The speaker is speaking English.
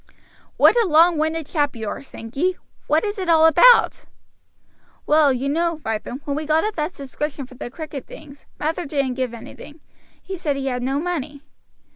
"What a long winded chap you are, Sankey! What is it all about?" "Well, you know, Ripon, when we got up that subscription for the cricket things, Mather didn't give anything. He said he had no money."